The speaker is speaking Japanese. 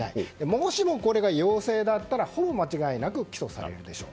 もしも、これが陽性だったらほぼ間違いなく起訴されるでしょう。